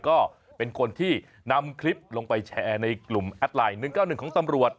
ก็เป็นคนที่นำคลิปลงไปแชร์ในกลุ่มแอดไลน์๑๙๑ของตำรวจ